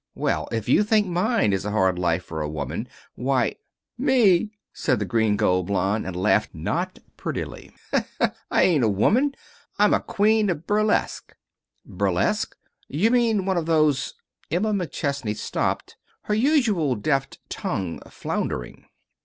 Well, if you think mine is a hard life for a woman, why " "Me!" said the green gold blonde, and laughed not prettily. "I ain't a woman. I'm a queen of burlesque. "Burlesque? You mean one of those " Emma McChesney stopped, her usually deft tongue floundering.